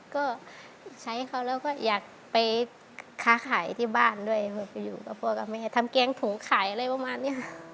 ก็ใช้เขาแล้วก็อยากไปค้าขายที่บ้านด้วยไปอยู่กับพ่อกับแม่ทำแกงถุงขายอะไรประมาณนี้ค่ะ